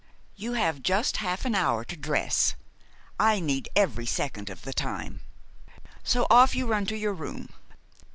You have just half an hour to dress. I need every second of the time; so off you run to your room.